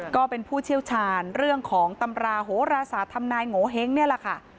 ก็เป็นผู้เชี่ยวชาญเรื่องของตำราโหราศาสตร์ทำนายโงเห้งนี่แหละค่ะ